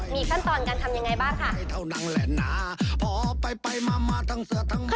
มีขั้นตอนการทำยังไงบ้างค่ะ